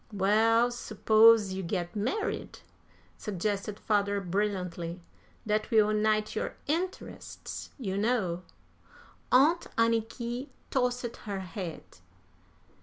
"Well, suppose you get married?" suggested father, brilliantly. "That will unite your interests, you know." Aunt Anniky tossed her head.